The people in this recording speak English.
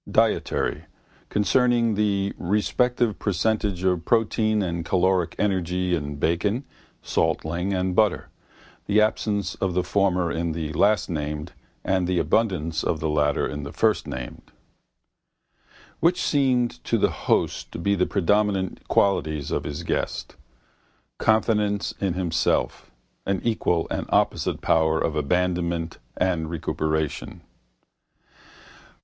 Dietary: concerning the respective percentage of protein and caloric energy in bacon, salt ling and butter, the absence of the former in the lastnamed and the abundance of the latter in the firstnamed. Which seemed to the host to be the predominant qualities of his guest? Confidence in himself, an equal and opposite power of abandonment and recuperation.